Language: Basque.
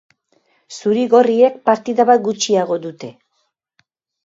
Zuri-gorriek partida bat gutxiago dute.